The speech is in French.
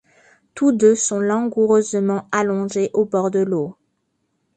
Tous deux sont langoureusement allongés au bord de l'eau.